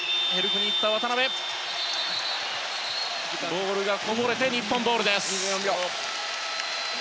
ボールがこぼれて日本ボールです。